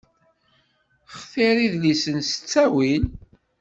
Xtir idlisen s ttawil.